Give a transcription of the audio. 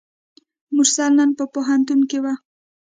مرسل نن په پوهنتون کې وه.